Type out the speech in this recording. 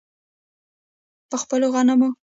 په خپلو غنمو.